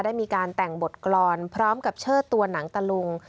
ได้มีการแต่งบทกรรมพร้อมกับเชิดตัวหนังตะลุง